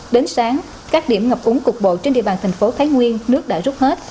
đến sáng các điểm ngập úng cục bộ trên địa bàn thành phố thái nguyên nước đã rút hết